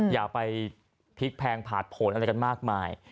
อย่าไปพลิกแพงผ่านผลอะไรกันมากมาย